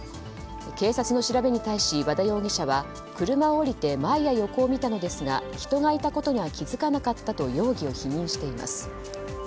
警察の調べに対し、和田容疑者は車を降りて前や横を見たのですが人がいたことには気づかなかったと容疑を否認しています。